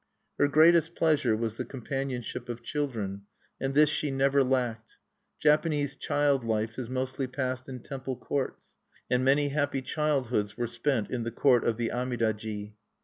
Her greatest pleasure was the companionship of children; and this she never lacked. Japanese child life, is mostly passed in temple courts; and many happy childhoods were spent in the court of the Amida ji.